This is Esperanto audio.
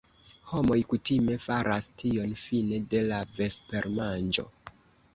Homoj kutime faras tion fine de la vespermanĝo.